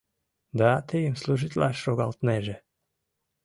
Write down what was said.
Да тыйым служитлаш шогалтынеже